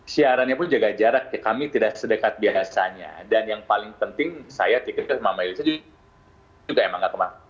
siarannya pun jaga jarak kami tidak sedekat biasanya dan yang paling penting saya tike melisa juga emang nggak ke rumah